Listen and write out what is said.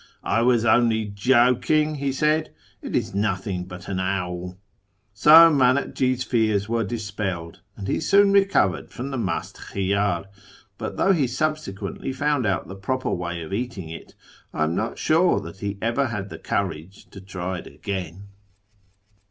' I was only joking,' he said; 'it is nothing but an owl.' So Manakji's fears were dispelled, and he soon recovered from the mdst khiydr ; but though he subsequently found out the proper way of eating it, I am not sure that he ever had the courage to try it again."